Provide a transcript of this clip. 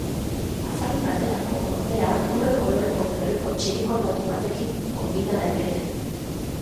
Afari baterako, ordea, urre koloreko gerriko txirikordatu batekin konbina daiteke.